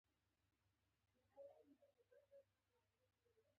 د ژبې وده د نورو ژبو سره اړیکو ته اړتیا لري.